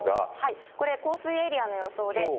これ、降水エリアの予想で。